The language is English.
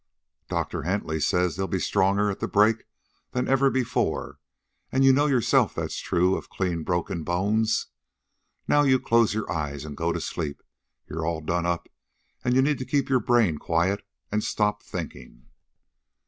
"Doctor Hentley says they'll be stronger at the break than ever before. And you know yourself that's true of clean broken bones. Now you close your eyes and go to sleep. You're all done up, and you need to keep your brain quiet and stop thinking."